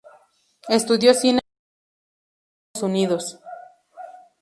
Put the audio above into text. Estudió cine y actuación en los Estados Unidos.